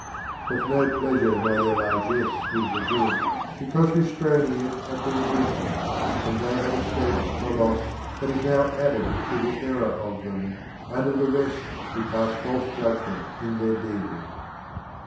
But no pleasure may their largesse give the good, be cause restraining it had been wisdom, and they had escaped the loss that is now added to the error of them, and of the rest who pass false judgment in their deeming.